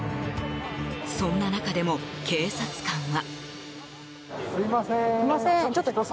そんな中でも警察官は。